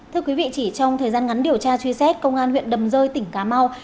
thưa quý vị chỉ trong thời gian ngắn điều tra truy xét công an huyện đầm rơi tỉnh cà mau